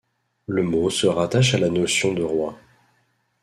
Le mot se rattache à la notion de roi.